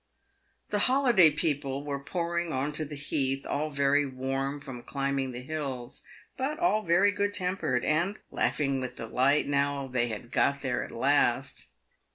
The holiday people were pouring on to the heath, all very warm from climbing the hills, but all very good tempered, and laughing with delight now they had " got there at last."